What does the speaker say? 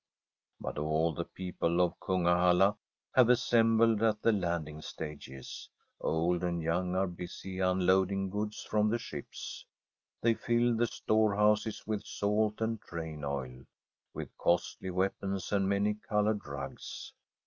But all the people of Kungahalla have as sembled at the landing stages. Old and young are busy unloading goods from the ships. They fill the storehouses with salt and train oil, with costly weapons, and many coloured rugs.